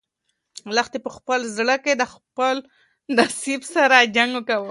لښتې په خپل زړه کې د خپل نصیب سره جنګ کاوه.